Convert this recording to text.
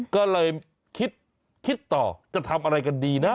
ก็เลยคิดต่อจะทำอะไรกันดีนะ